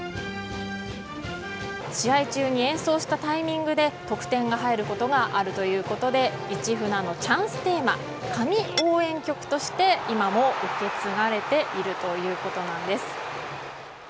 試合中に演奏したタイミングで得点が入ることがあるということで市船のチャンステーマ神応援曲として今も受け継がれているということなんです。